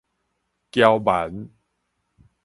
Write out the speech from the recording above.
嬌蠻